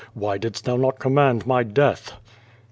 Why didst thou not command my death?"